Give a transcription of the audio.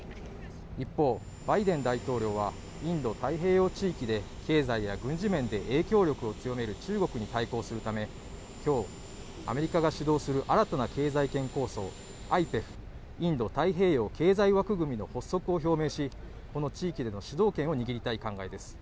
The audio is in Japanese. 一方、バイデン大統領はインド太平洋地域で経済や軍事面で影響力を強める中国に対抗するため今日、アメリカが主導する新たな経済圏構想、ＩＰＥＦ＝インド太平洋経済枠組みの発足を表明し、この地域での主導権を握りたい考えです。